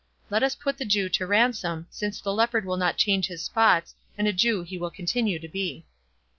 Let us put the Jew to ransom, since the leopard will not change his spots, and a Jew he will continue to be."